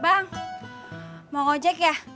bang mau ojek ya